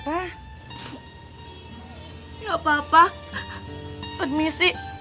gak apa apa permisi